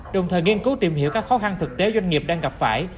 đồng thời nghiên cứu tìm hiểu các khó khăn thực tế doanh nghiệp đang gặp phải